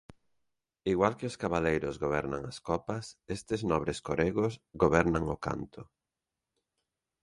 Igual que os cabaleiros gobernan as copas, estes nobres coregos gobernan o canto.